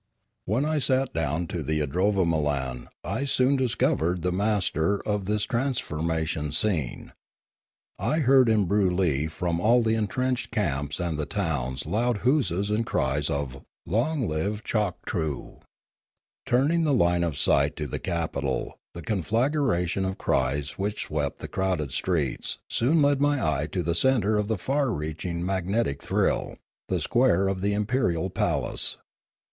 When I sat down to the idrovamolan I soon dis 198 Limanora covered the master ot this transformation scene. I heard in Broolyi from all the entrenched camps and the towns loud huzzas and cries of " Long live Chok troo!" Turning the line of sight to the capital, the conflagration of cries which swept the crowded streets soon led my eye to the centre of the far reaching mag netic thrill, the square of the imperial palace.